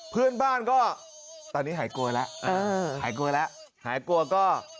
เพื่อนบ้านก็ตอนนี้หายกลัวแล้วหายกลัวแล้วหายกลัวก็